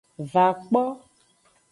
Va kpo.